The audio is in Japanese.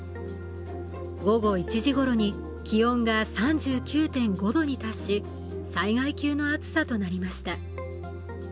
午後１時ごろに気温が３９．５度に達し災害級の暑さとなりました。